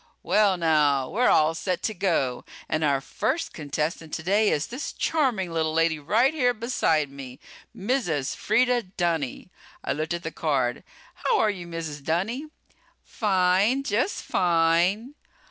"Well, now, we're all set to go ... and our first contestant today is this charming little lady right here beside me. Mrs. Freda Dunny." I looked at the card. "How are you, Mrs. Dunny?" "Fine! Just fine."